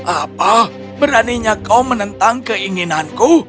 apa beraninya kau menentang keinginanku